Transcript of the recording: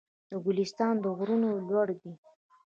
د ګلستان غرونه لوړ دي